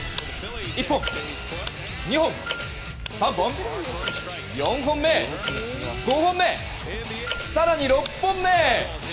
１本、２本、３本４本目、５本目、更に６本目！